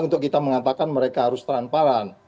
untuk kita mengatakan mereka harus transparan